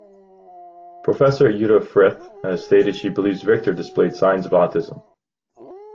Professor Uta Frith has stated she believes Victor displayed signs of autism.